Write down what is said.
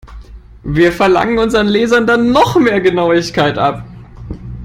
Wir verlangen unseren Lesern dann noch mehr Genauigkeit ab.